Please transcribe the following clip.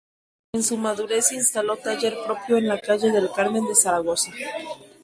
En su madurez instaló taller propio en la calle del Carmen de Zaragoza.